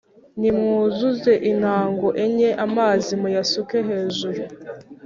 Nimwuzuze intango enye amazi muyasuke hejuru.